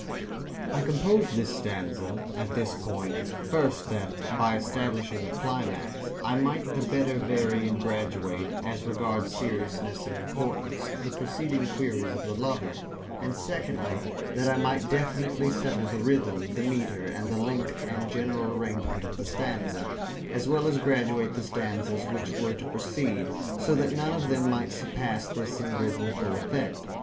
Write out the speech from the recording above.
I composed this stanza, at this point, first that, by establishing the climax, I might the better vary and graduate, as regards seriousness and importance, the preceding queries of the lover, and secondly, that I might definitely settle the rhythm, the metre, and the length and general arrangement of the stanza, as well as graduate the stanzas which were to precede, so that none of them might surpass this in rhythmical effect.